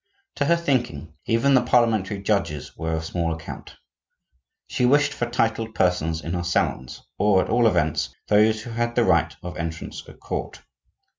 To her thinking, even the parliamentary judges were of small account; she wished for titled persons in her salons, or at all events, those who had the right of entrance at court.